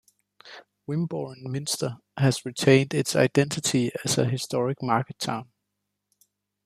Wimborne Minster has retained its identity as a historic market town.